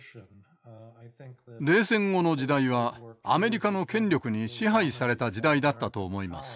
冷戦後の時代はアメリカの権力に支配された時代だったと思います。